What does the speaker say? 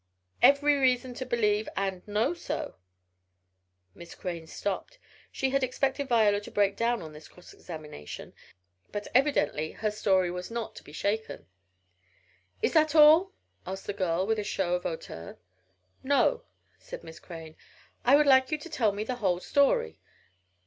"Every reason to believe and know so." Miss Crane stopped. She had expected Viola to break down on this cross examination, but evidently her story was not to be shaken. "Is that all?" asked the girl with a show of hauteur. "No," said Miss Crane. "I would like you to tell me the whole story."